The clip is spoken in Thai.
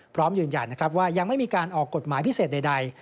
พร้อมยืนยันนะครับว่ายังไม่มีการออกกฎหมายพิเศษใด